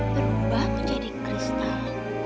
berubah menjadi kristal